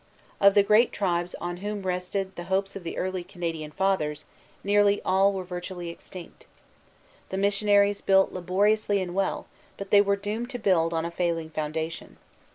Of the great tribes on whom rested the hopes of the early Canadian Fathers, nearly all were virtually extinct. The missionaries built laboriously and well, but they were doomed to build on a failing foundation.